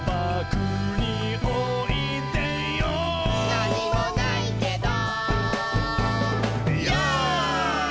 「なにもないけど」